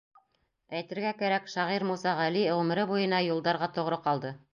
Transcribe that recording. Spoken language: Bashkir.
Әйтергә кәрәк, шағир Муса Ғәли ғүмере буйына юлдарға тоғро ҡалды.